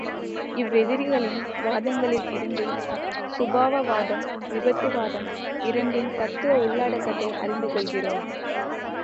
இவ்வெதிரிகளின் வாதங்களில் இருந்து சுபாவவாதம், விபத்துவாதம் இரண்டின் தத்துவ உள்ளடக்கத்தை அறிந்து கொள்கிறோம்.